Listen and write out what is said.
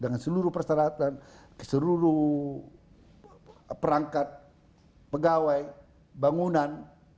dengan seluruh persyaratan seluruh perangkat pegawai bangunan